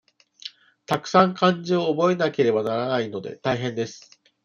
たくさん漢字を覚えなければならないので、大変です。